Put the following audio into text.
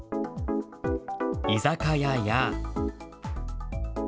居酒屋や。